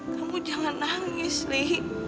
kamu jangan nangis li